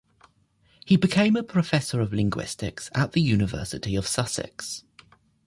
He became a professor of linguistics at the University of Sussex.